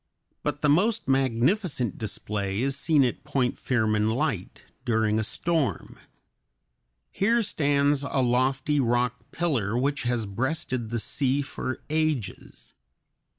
But the most magnificent display is seen at Point Firmin Light during a storm. Here stands a lofty rock pillar which has breasted the sea for ages.